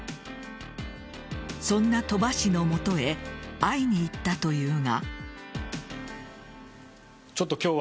そんな鳥羽氏の元へ会いに行ったというが。